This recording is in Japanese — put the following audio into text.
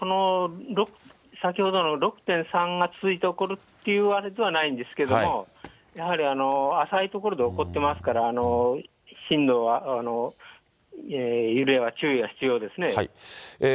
先ほどの６．３が続いて起こるっていうあれではないんですけども、やはり浅い所で起こってますから、震度は、揺れは注意は必要ですね。